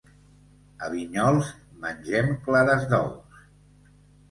A Vinyols, mengen clares d'ous.